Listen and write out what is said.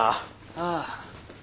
ああ。